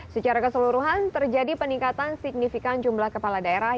secara keseluruhan terjadi peningkatan signifikan jumlah kepala daerah